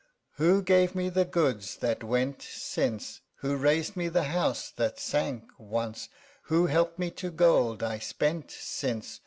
Who gave me the goods that went since? 5 Who raised me the house that sank once? Who helped me to gold I spent since?